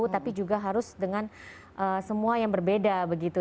tapi juga harus dengan semua yang berbeda begitu